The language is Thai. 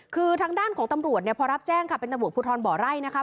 คือทางด้านของตำรวจเนี่ยพอรับแจ้งค่ะเป็นตำรวจภูทรบ่อไร่นะคะ